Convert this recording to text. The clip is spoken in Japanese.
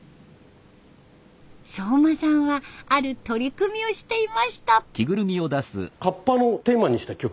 相馬さんはある取り組みをしていました。